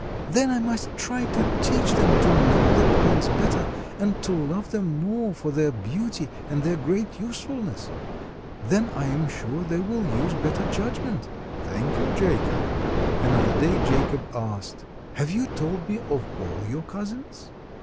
"Then I must try to teach them to know the pines better and to love them more for their beauty and their great usefulness. Then I am sure they will use better judgment." "Thank you, Jacob." Another day Jacob asked: "Have you told me of all your cousins?"